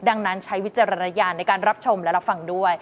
ดังนั้นใช้วิจารณญาณในการรับชมและรับฟังด้วย